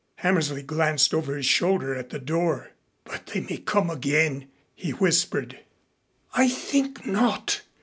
Hammersley glanced over his shoulder at the door. "But they may come again," he whispered. "I think not.